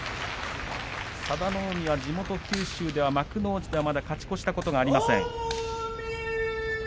佐田の海は地元九州では幕内ではまだ勝ち越したことがありません。